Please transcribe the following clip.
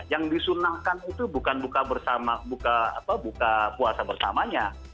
yang disunahkan itu bukan buka puasa bersamanya